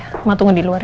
aku mau tidur